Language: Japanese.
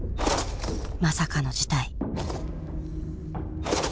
まさかの事態。